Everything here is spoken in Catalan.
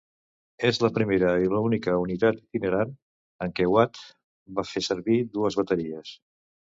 És la primera i la única unitat itinerant en què Watt va fer servir dues bateries.